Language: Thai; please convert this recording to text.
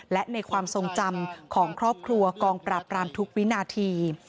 และในความทรงจำของครอบครัวกองปราบรามทุกวินาที